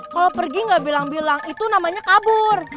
kalau pergi nggak bilang bilang itu namanya kabur